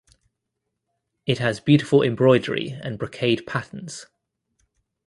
It has beautiful embroidery and brocade patterns.